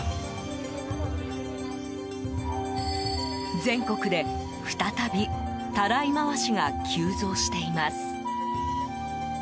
全国で再び、たらい回しが急増しています。